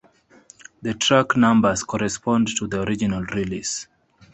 The track numbers correspond to the original release.